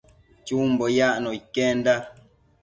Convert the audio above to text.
Chumbo yacno iquenda